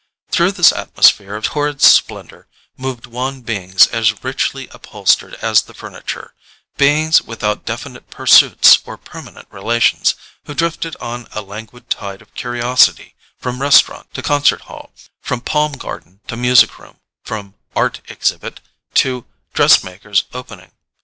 Through this atmosphere of torrid splendour moved wan beings as richly upholstered as the furniture, beings without definite pursuits or permanent relations, who drifted on a languid tide of curiosity from restaurant to concert hall, from palm garden to music room, from "art exhibit" to dress maker's opening.